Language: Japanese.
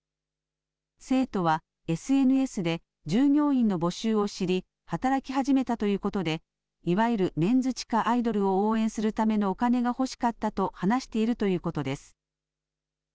生徒はＳＮＳで従業員の募集を知り、働き始めたということで、いわゆるメンズ地下アイドルを応援するためのお金が欲しかったと話しているということです。